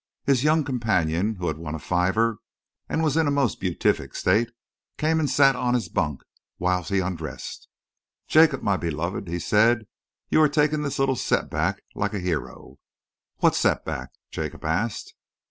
His young companion, who had won a fiver and was in a most beatific state, came and sat on his bunk whilst he undressed. "Jacob, my well beloved," he said, "you are taking this little setback like a hero." "What setback?" Jacob asked.